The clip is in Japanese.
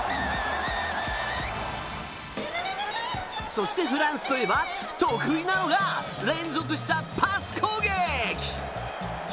そして、フランスと言えば得意なのが、連続したパス攻撃。